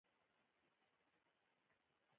د پکتیا په میرزکه کې د قیمتي ډبرو نښې دي.